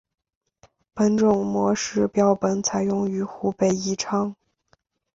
本种模式标本采自于湖北宜昌。